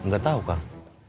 gak tau kang